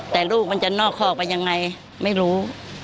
แต่ลูกมันจะนอกคอกไปยังไงไม่รู้